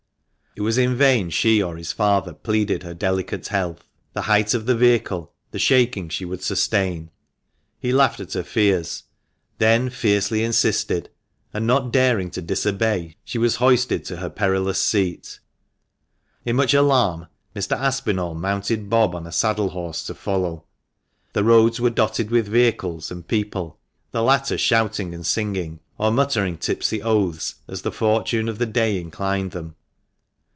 It was in vain she or his father pleaded her delicate health, the height of the vehicle, the shaking she would sustain ; he laughed at her fears, then fiercely insisted, and not daring to disobey, she was hoisted to her perilous seat. In much alarm, Mr. Aspinall mounted Bob on a saddle horse to follow. The roads were dotted with vehicles and people, the latter shouting and singing, or muttering tipsy oaths, as the fortune of the day inclined them.